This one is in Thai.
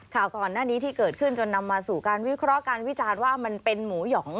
ข่าวก่อนหน้านี้ที่เกิดขึ้นจนนำมาสู่การวิเคราะห์การวิจารณ์ว่ามันเป็นหมูหยอง